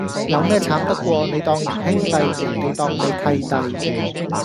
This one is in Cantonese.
有咩慘得過你當人兄弟,人地當你契弟